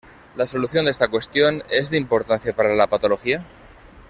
La solución de esta cuestión, ¿es de importancia para la patología?